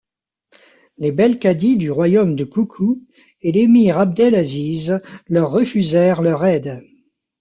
Les Belkadi du royaume de Koukou et l’Émir Abdelaziz leur refusèrent leur aide.